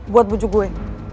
buat bujuk gue